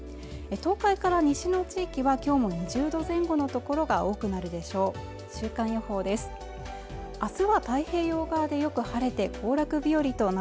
東海から西の地域は今日も２０度前後の所が多くなるでしょう関東のお天気です